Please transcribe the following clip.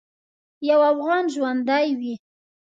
یو افغان ژوندی وي.